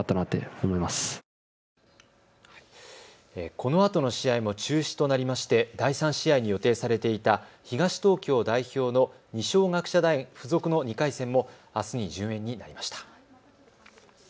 このあとの試合も中止となりまして第３試合に予定されていた東東京代表の二松学舎大付属の２回戦もあすに順延になりました。